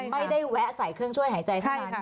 ไม่ได้แวะใส่เครื่องช่วยหายใจ